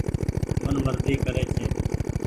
من مرزي ڪري ڇي ۔